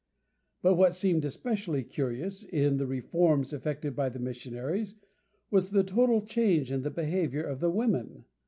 But what seemed especially curious in the reforms effected by the missionaries was the total change in the behaviour of the women.